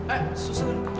eh susah kan